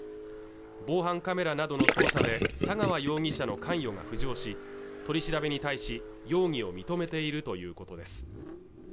防犯カメラなどの捜査で佐川容疑者の関与が浮上し取り調べに対し容疑を認めているということです